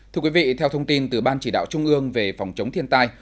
thưa quý vị theo thông tin từ ban chỉ đạo trung ương về phòng chống thiên tai